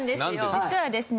実はですね